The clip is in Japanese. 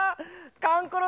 かんころ